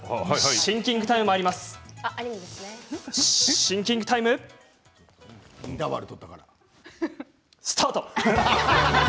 シンキングタイムスタート！